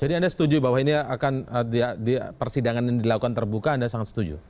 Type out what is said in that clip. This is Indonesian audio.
jadi anda setuju bahwa persidangan yang dilakukan terbuka anda sangat setuju